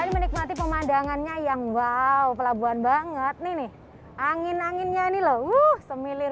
menikmati pemandangannya yang wow pelabuhan banget nih angin angin nyanyi loh semilir